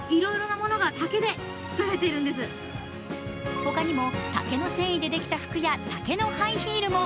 ほかにも竹の繊維でできた服や竹のハイヒールも。